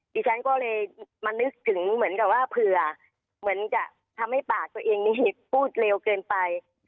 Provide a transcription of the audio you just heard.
ดิฉันก็เลยมานึกถึงเหมือนกับว่าเผื่อเหมือนจะทำให้ปากตัวเองนี่พูดเร็วเกินไป